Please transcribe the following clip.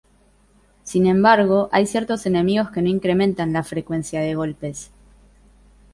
Sin embargo, hay ciertos enemigos que no incrementan la "Frecuencia de Golpes".